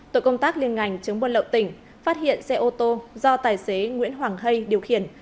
tội công tác liên ngành chống buôn lậu tỉnh phát hiện xe ô tô do tài xế nguyễn hoàng hay điều khiển